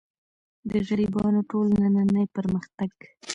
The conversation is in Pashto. د غربیانو ټول نننۍ پرمختګ.